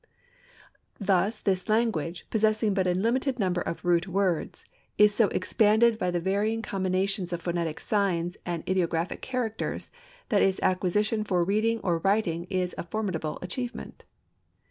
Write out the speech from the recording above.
Thus this language, possessing but a limited number of root words, is so expanded by the varying combinations of phonetic signs and ideographic characters, that its acquisition for reading or writing is a formidable achievement.